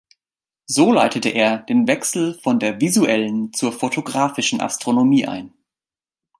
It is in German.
So leitete er den Wechsel von der visuellen zur fotografischen Astronomie ein.